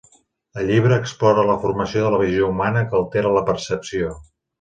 El llibre explora la formació de la visió humana que altera la percepció.